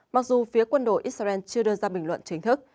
mặc dù phía quân đội israel chưa đưa ra bình luận chính thức